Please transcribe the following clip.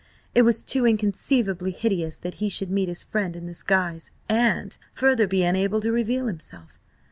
It was too inconceivably hideous that he should meet his friend in this guise, and, further, be unable to reveal himself.